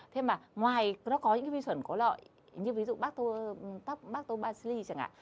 thế mà ngoài nó có những vi sản có lợi như ví dụ bác tô basili chẳng hạn